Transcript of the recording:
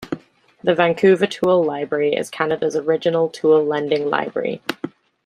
The Vancouver Tool Library is Canada's original tool lending library.